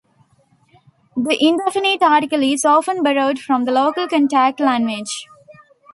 The indefinite article is often borrowed from the local contact language.